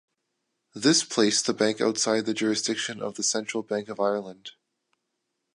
This placed the bank outside the jurisdiction of the Central Bank of Ireland.